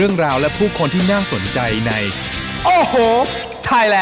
มือตรงเลยนะครับผม